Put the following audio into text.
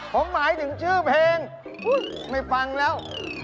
ผมหมายถึงชื่อเพลงไม่ฟังแล้ว